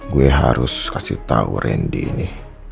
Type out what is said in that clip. gue harus kasih tahu randy ini